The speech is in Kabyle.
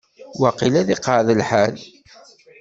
Waqil ad iqeεεed lḥal.